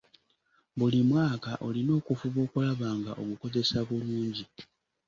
Buli mwaka olina okufuba okulaba nga ogukozesa bulungi.